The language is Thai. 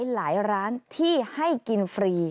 หลายร้านที่ให้กินฟรี